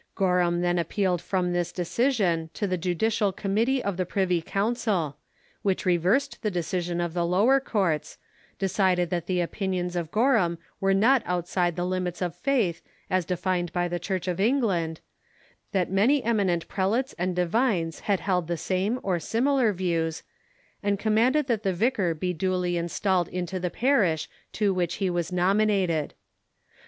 Gor hara then appealed from this decision to the judicial Commit tee of the Privy Council, which reversed the decision of the lower courts, decided that the opinions of Gorham were not outside of the limits of faith as defined by the Church of Eng land, that many eminent prelates and divines had held the same or similar views, and commanded that the vicar be duly installed into the parish to Avhich he was nominated.